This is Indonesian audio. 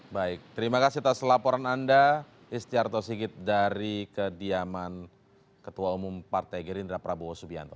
baik terima kasih atas laporan anda istiarto sigit dari kediaman ketua umum partai gerindra prabowo subianto